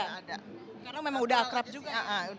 karena memang udah akrab juga